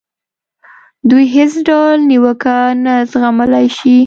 دوی هېڅ ډول نیوکه نه زغملای شي.